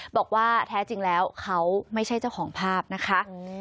บอกว่าแท้จริงแล้วเขาไม่ใช่เจ้าของภาพนะคะ